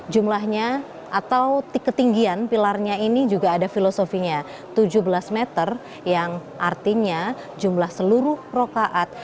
jumlahnya atau ketinggian pilarnya ini juga ada filosofinya tujuh belas meter yang artinya jumlah seluruh rokaat